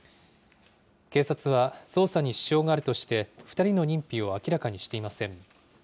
警察は、捜査に支障があるとして、２人の認否を明らかにしていません。